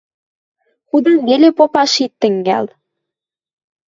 Худам веле попаш ит тӹнгӓл...